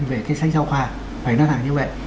để sách giáo khoa phải nói thẳng như vậy